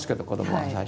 はい。